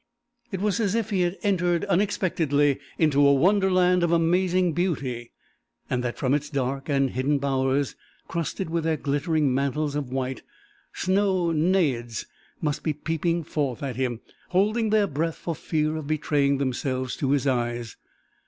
It was as if he had entered unexpectedly into a wonderland of amazing beauty, and that from its dark and hidden bowers, crusted with their glittering mantles of white, snow naiads must be peeping forth at him, holding their breath for fear of betraying themselves to his eyes.